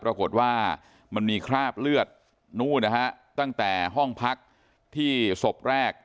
ปรากฏว่ามันมีคราบเลือดนู่นนะฮะตั้งแต่ห้องพักที่ศพแรก